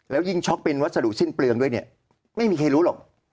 แล้วยิ่งช็อกเป็นวัสดุสิ้นเปลืองด้วยเนี่ยไม่มีใครรู้หรอก